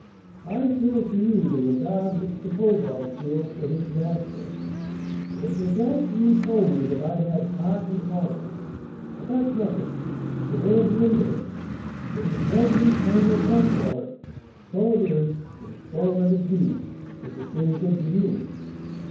I feel for you the regard which the bulldog feels for his master. It was after you told me that I had 'heart and honour;' but that's nothing, so there's an end of it. It is no use trying to account for it; so it is, and so let it be, if it's any good to you."